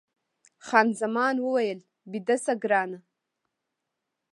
خان زمان وویل، بیده شه ګرانه.